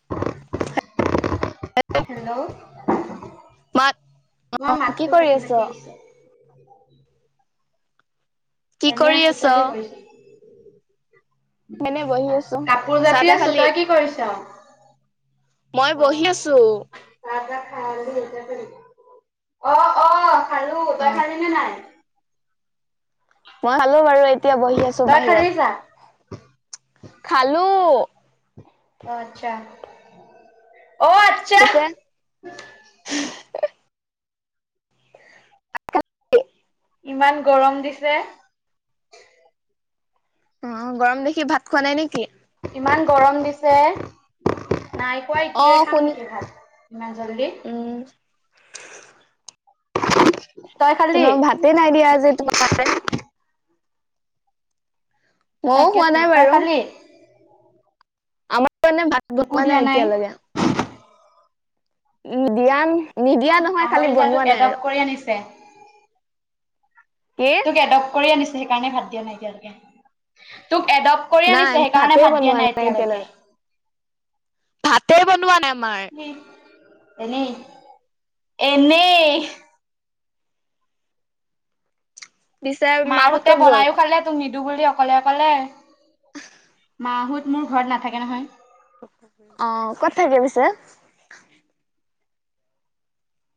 [unintelligible] Hello মাত মোৰ কি মাতটো কৰি ফাটি আছ? ফাটি আহিছে। [unintelligible] কি এনে কৰি আছোঁ আছ? তই কি কৰিছ। এনেই বহি আছোঁ কাপোৰ চাহ জাপি তাহ আছো খালি। তই কি কৰিছ? মই অ বহি আছোঁ। চাহ তাহ অ অ খালো তই অ', খালি নে নাই? মই খালো বাৰু এতিয়া বহি আছো তই খালি চাহ? বাহিৰত [unintelligible] খালো। আচ্ছা। অ আচ্ছা তইযে ইমান গৰম দিছে অ গৰম দেখি ভাত খোৱা নাই নেকি? ইমান গৰম দিছে। নাই পোৱা এতিয়াই অ', খাম শুনি নেকি ভাত ইমান জল্দি উম, [inaudible] তোমাৰ ভাতে নাই দিয়া যে তো মাই ময়ো তাকে খোৱা তো নাই চাহ বাৰু। খালি আমাৰ কাৰণে ভাত তোকো বানোৱা দিয়া নাই এতিয়ালৈকে নিদিয়া নিদিয়া নহয় খালি পাহৰি যা তোক বনোৱা নাই এডপ্ট আৰু কৰি আনিছে। কি? তোক এডপট কৰি আনিছে সেইকাৰণে ভাত দিয়া নাই এতিয়ালৈকে তোক। এডপ্ট কৰি আনিছে নাই সেইকাৰণে ভাতে ভাত দিয়া বনোৱা নাই এতিয়ালৈকে ভাত ভাতে বনোৱা নাই আমাৰ। এনেই এনেই। পিছে মাৰ মাহঁত হতে ক'ত গ'ল? বনাইো খালে তুমি। নিদু বুলি অকলে অকলে মা হত মোৰ ঘৰত নাথাকে নহয়। অ কত থাকে পিছে?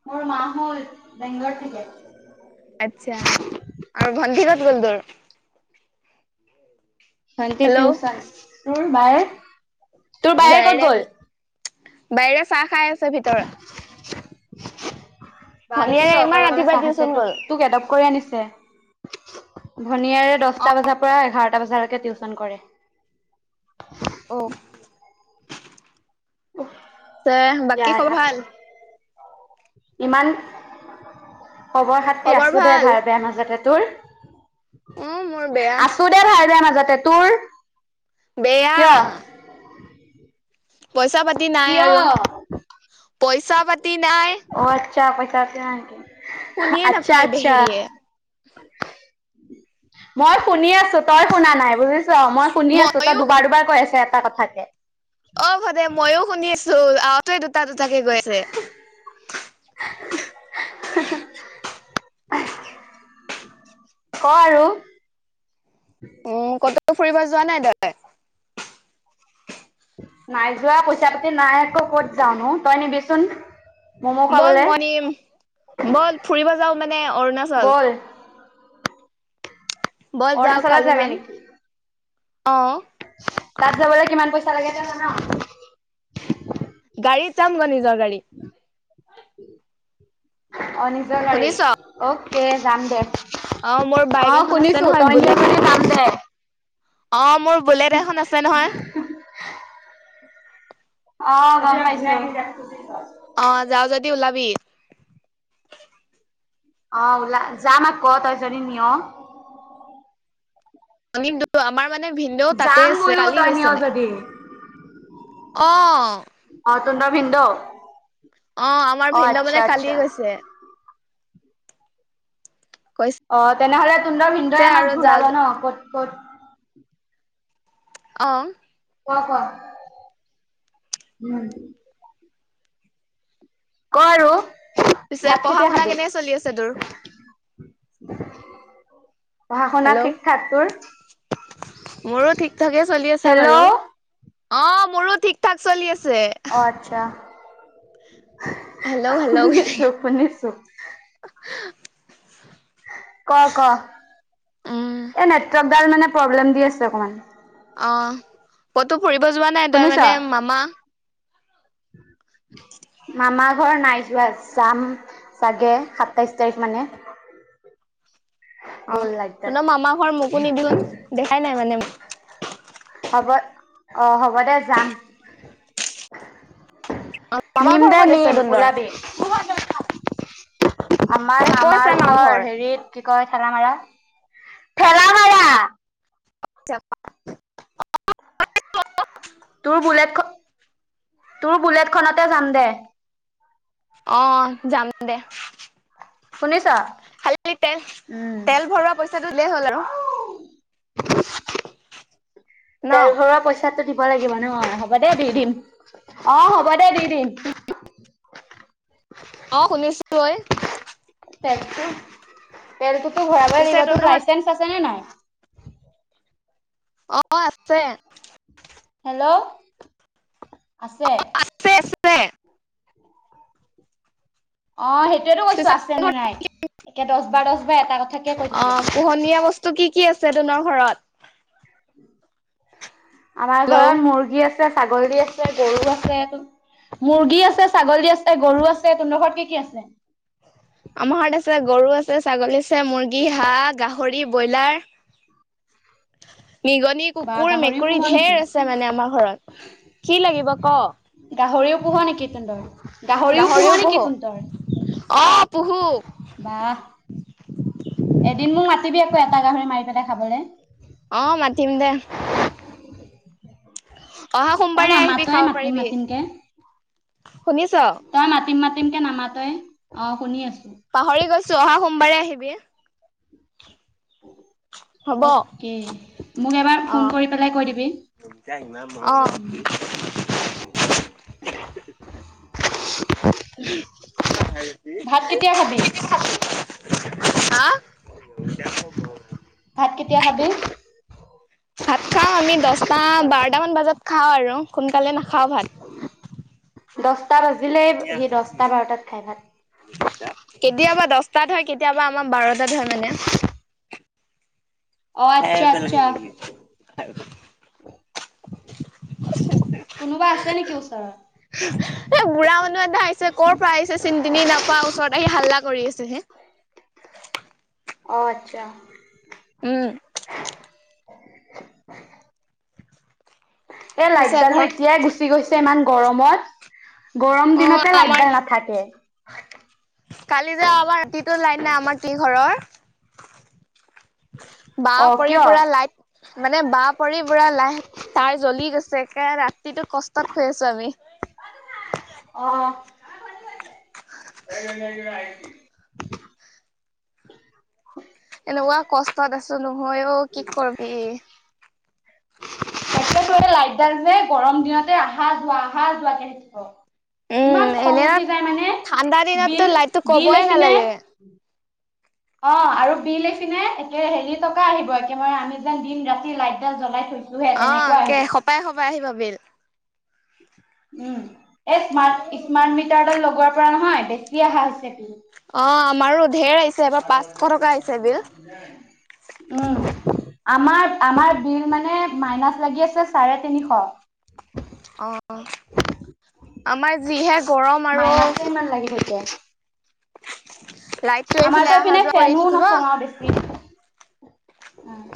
মোৰ মা হ'ল বেংগলৰ থাকে। আচ্ছা আৰু ভণ্টি হত কত গ'ল তোৰ। ভণ্টি হেল্ল' টিউচন তোৰ বাই তোৰ বাইৰে ক'ত গল? বাইৰে চাহ খাই আছে ভিতৰত। বা দেখিছ ভনীয়েৰে ইমান অকলে অকলে ৰাতিপুৱাই চাহ খাইছে টিউচন তোক গ'ল। তোক এডপট কৰি আনিছে। ভনিয়াৰে অ দছটা বজাৰ পৰা এঘাৰটা বজালৈকে টিউচন কৰে। অ পিছে বাকী ইয়াৰ খবৰ ভাল? ইমান খবৰ খাতি আছো দে ভাল বেয়া মাজতে। তোৰ উম মোৰ বেয়া। আছো দে ভাল বেয়া মাজতে তোৰ বেয়া কিয়? পইচা পাতি নাই কিয়? আৰু পইচা পাতি নাই। অ আচ্ছা পইচা চইছা ছেক শুনিয়ে আচ্ছা নাপায় আচ্ছা। বেহেৰিয়ে। মই শুনি আছো। তই শুনা নাই বুজিছ মই শুনি আছো তই মইয়ো দুবাৰ দুবাৰ কৈ আছ এটা কথাকে। অ ভদে মইও শুনি আছো আতে দুটা দুটাকে গৈ আছে। [unintelligible] ক আৰু কত ফুৰিব যোৱা নাই তই। নাই যোৱা পইচা পাতি নাই আকৌ কত যাওনো তই নিবিচোন। ম'ম' বল খাবলে মই নিম বল ফুৰিব যাওঁ মানে অৰুণাচল ব'ল বল যাও অৰুণাচলত কালি যাবি মানে নেকি? অ তাত যাবলৈ কিমান পইচা লাগে তই জান। গাড়ীত চাম গ নিজৰ গাড়ী উম অ নিজৰ গাড়ী শুনিছ? অ'কে যাম দে। অ মোৰ বাইক অ এখন আছে শুনিছো নহয় তই নিয় বুলেট। যদি যাম দে। অ মোৰ বুলেট এখন আছে নহয়। অ গম পাইছো। অ যাওঁ যদি ওলাবি। অ ওলা যাম অ তই যদি নিয়। আমাৰ মানে ভিনন্দেও তাতে যাম আছে বোলো কালি তই নিয় গৈছে নে। যদি। অ অ তুন্দৰ ভিনদেউ অ আমাৰ অ ভিনদেউ আচ্ছা মানে আচ্ছা। কালি গৈছে। কৈছে অ তেনেহলে তুহঁতৰ ভিনদেউ আৰু আমাক যাও ঘূৰাব ন ক'ত ক'ত? অ ক হয় উম। ক আৰু পিছে ভাত পঢ়া কেতিয়া শুনা খাবি? কেনেক চলি আছে তোৰ। পঢ়া শুনা হেল্ল' ঠিকঠাক তোৰ। মোৰো ঠিক ঠাকে চলি আছে হেল্ল' বাৰু অ অ মোৰো ঠিক ঠাক চলি আছে। অ আচ্ছা। Hello hello. শুনিছো শুনিছো। ক ক উম এই নেটৱৰ্কডাল মানে প্ৰব্লেম দি আছে অকমান। আহ কইতো ফুৰিব যোৱা নাই তই শুনিছ? মানে মামা [unintelligible] মামাৰ ঘৰ নাই যোৱা যাম চাগে সাতাইশ তাৰিখ মানে [unintelligible] অ গ'ল লাইটডাল। তুন মামাৰ ঘৰ মোকো নিবি ক দেখাই নাই মানে হ'ব অ হ'ব দে যাম। মামাৰ নিম ঘৰ দা ক'ত আছে নিম তহঁতৰ ওলাবি। আমাৰ তাই ক'ত আছে মামাৰ ঘৰ হেৰিত কয় ঠেলা মাৰা ঠেলা মাৰা। [unintelligible] তোৰ বুলেট তোৰ বুলেটখনতে যাম দে। অ যাম দে। শুনিছ খালি তেল উম তেল ভৰোৱা পইচাটো দিলেই হ'ল আৰু [unintelligible] ন তেল ভৰোৱা পইচাটো দিব। লাগিব ন হ'ব দে দি দিম অ হ'ব দে দি দিম। অ শুনিছো ঐ। তেল তেলটোতো ভৰাবই পিছে লাগিব তোৰ তহঁতৰ লাইচেন্ঞ্চ আছে নে নাই। অ আছে। হেল্ল' আছে। আছে আছে। অ সেইটোয়টো কৈছো পিছে আছে নে নাই একে দহ বাৰ দহ বাৰ এটা কথাকে কৈ অ থাকিবি পোহনীয়া বস্তু কি কি আছে তহতৰ ঘৰত। আমাৰ হেল্ল' ঘৰত মুৰ্গী আছে। আছে ছাগলী আছে গৰু আছে। মুৰ্গী আছে ছাগলী আছে গৰু আছে তোহতৰ ঘৰত কি কি আছে। আমাৰ ঘৰত আছে গৰু আছে ছাগলী আছে মুৰ্গী হাঁহ গাহৰি ব্ৰইলাৰ। [unintelligible] নিগনি বা কুকুৰ গাহৰিও মেকুৰী পোহ নেকি? ঢেৰ আছে মানে আমাৰ ঘৰত কি লাগিব ক গাহৰিও পোহ নেকি তন তৰ গাহৰিও পোহ নেকি তন তৰ। পূহো। এদিন মোক মাতিবি আকৌ এটা গাহৰি মাৰি পেলাই খাবলৈ। অ মাতিমদে। তই সোমবাৰে আহিবি নামাতয়ে খাব মাতিম পাৰিবি মাতিমকে শুনিছ তই মাতিম ম তিমকে নামাতই অ শুনি আছো। পাহৰি গৈছো অহা সোমবাৰে আহিবি হ'ব অ অকে মোক এবাৰ ফোন কৰি পেলাই কৈ দিবি। অঁ না হেৰি ভাত কেতিয়া খাবি? হা ভাত কেতিয়া খাবি? ভাত খাওঁ আমি দহটা বাৰটামান বজাত খাওঁ আৰু সোনকালে নাখাওঁ ভাত। [inaudible] দহটা বাজিলেই সি দহটা বাৰটাত খাই ভাত। কেতিয়াবা দহটাত হয় কেতিয়াবা আমাৰ বাৰটাত হয় মানে। অ আচ্ছা আচ্ছা কোনোবা আছে নেকি ওচৰত? এ বুঢ়া মানুহ এটা আহিছে কৰ পৰা আহিছে চিনি তিনি নাপাওঁ ওচৰত আহি হাল্লা কৰি আছে হে- অ আচ্ছা। উম [inaudible] এ পিছে লাইভডালো ঘৰ এতিয়াই গুচি গৈছে ইমান গৰমত গৰম অ দিনতে আমাৰ লাগডাল নাথাকে। কালি যাবাৰ ৰাতিটো লাইন নাই আমাৰ কি ঘৰৰ বাহ অ পৰি কিয়? পুৰা লাইট মানে বাহ পৰি পুৰা লাই তাৰ জ্বলি গৈছ- চকে ৰাতিটো কষ্টত খৈ আছো আমি অ। এনেকুৱা কষ্টত আছো নহয়ও কি কৰিবি লাইটদাল যে গৰম দিনতে আহা যোৱা আহা যোৱা কে থাকিব। উম ইমান খং এনে উঠি যায় মানে ঠাণ্ডা দিনততো বিল লাইটটো বিল কবই এইখিনে নালাগে অ আৰু বিল এইফিনে একে হেৰি টকা আহিব একেবাৰে আমি যেন দিন ৰাতি লাইটডাল জ্বলাই থৈ- অ কে সপাই সপাই আহি বিল। উম এ স্মাৰ্ট স্মাৰ্ট মিটাৰডাল লগোৱাৰ পৰা নহয় বেছি অহা হৈছে কি? অ আমাৰো। ধেৰ আহিছে এবাৰ পাঁচশ টকা আহিছে উম বিল আমাৰ আমাৰ বিল মানে মাইনাছ লাগি আছে চাৰে তিনিশ। অ আমাৰ যিহে গৰম আৰু মাইনাচে ইমান লাগি থাকে, লাইটটো এইফালে আমাৰতো অহা এইপিনে যোৱা কৰি ফেনো থাকিব নচলাও বেছি।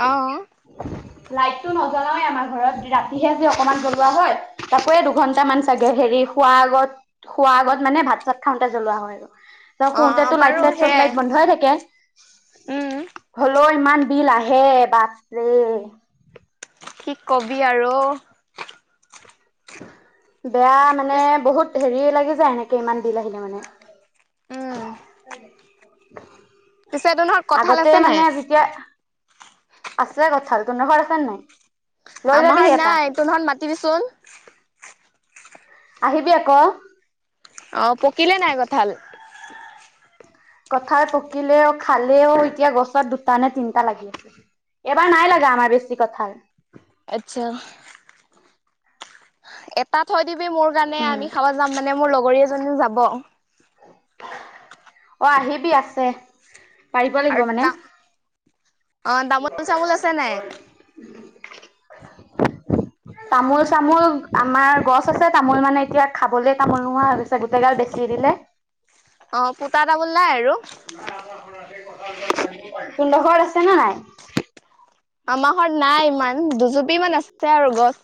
অহ লাইটটো নজলাওে আমাৰ ঘৰত ৰাতিহে যে অকনমান জ্বলোৱা হয় তাকোয়ে দুঘন্ট মান চাগে হেৰি খোৱা আগত- খোৱাৰ আগত মানে ভাত চাত খাওঁতে জ্বলোৱা হয় আৰু। ত অ শুতেতো লাইট আমাৰো চাইট চব সেয়াই লাইট বন্ধই থাকে। উম হল- ত ইমান বিল আহে বাপৰে কি কবি আৰু বেয়া মানে বহুত হেৰি লাগি যায় এনেকে ইমান বিল আহিলে মানে। উম পিছে তোৰহত কঁঠাল আগতে আছে নাই মানে যেতিয়া আছে কঁঠাল। তহতৰ ঘৰত আছে নাই? লৈ আমাহাৰ যাবিহি এটা নাই। তোহতত মাতিবি চোন। আহিবি আক অ পকিলে নাই কঁঠাল? কঁঠাল পকিলেও খালেও এতিয়া গছত দুটা নে তিনটা লাগি আছে। এবাৰ নাই লাগা আমাৰ বেছি কঁঠাল। আচ্ছা। এটা থৈ দিবি মোৰ কাৰণে উম আমি খাব যাম মানে মোৰ লগৰী এজনী যাব। অ আহিবি আছে। পাৰিব লাগিব আৰু মানে তা অ তামোল চামোল আছে নাই? তামোল চামোল আমাৰ গছ আছে তামোল মানে এতিয়া খাবলে তামোল নোহোৱা হৈ গৈছে গোটেই গাল বেচি দিলে। অ পুতা তামোল নাই আৰু? তোড ঘৰত আছে না নাই? আমাৰ ঘৰত নাই ইমান দুজুপি ইমান আছে আৰু গছ।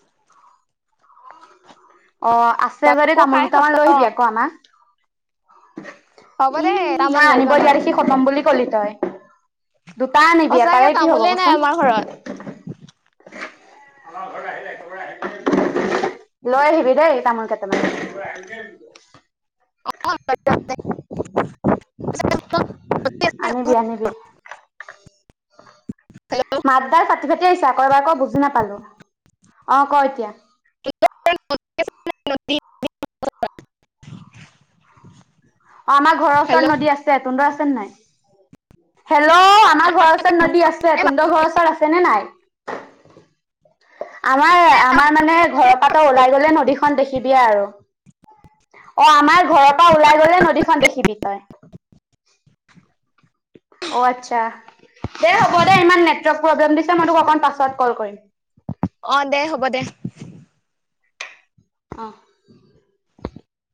অ আছে যদি তাকো তামোল খাই দুটামান লৈ আহিবি খতম আকৌ আমাক। হ'ব দে উম এটামান মই লৈ আনিব যাম দিয়া আৰু দেখি খতম বুলি কলি তই। দুটা আনিবি সঁচাকে এতাৰে কি হব তামোলে নাই কচোন? আমাৰ ঘৰত আমাৰ ঘৰতে আহিলে একব আহিল। লৈ আহিবি দেই তামোল কেইটামান। অ। [unintelligible] আনিবি আনিবি। মাতদাৰ প ভাতি আহিছা আকৌ এবাৰ ক বুজি নাপালো অ ক এতিয়া। [unintelligible] অ আমাৰ ঘৰৰ ওচৰত হেল্ল' নদী আছে তুহতৰ আছে নে নাই? আমাৰ ঘৰৰ ওচৰত নদী আছে তুহতৰ ঘৰৰ ওচৰত আছে নে নাই? আমাৰ আমাৰ মানে ঘৰৰ পাতৰ ওলাই গলে নদীখন দেখিবিয়ে আৰু। অ আমাৰ ঘৰৰ পৰা ওলাই গলে নদীখন দেখিবি তই। অ আচ্ছা দে হ'ব দে ইমান ন প্ৰ্লেম দিছে মই তোক অকণ পাছত কল কৰিম। অ দে হ'ব দে। অ। [inaudible]